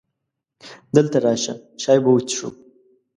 دلته راشه! چای به وڅښو .